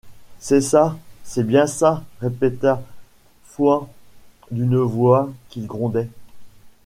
C’est ça, c’est bien ça! répéta Fouan d’une voix qui grondait.